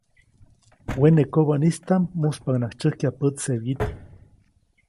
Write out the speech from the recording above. Wene kobädaʼm muspaʼuŋnaʼajk tsyäjkya pätse wyit.